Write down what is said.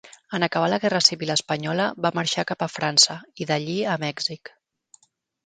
En acabar la guerra civil espanyola va marxar cap a França, i d'allí a Mèxic.